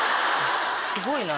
すごいな！